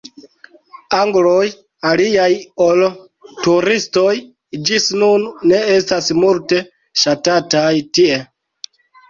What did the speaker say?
Angloj, aliaj ol turistoj, ĝis nun ne estas multe ŝatataj tie.